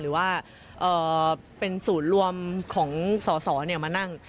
หรือว่าเป็นศูนย์รวมของสอสอมานั่ง